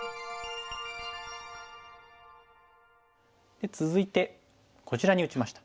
で続いてこちらに打ちました。